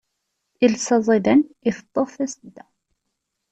Iles aẓidan iteṭṭeḍ tasedda.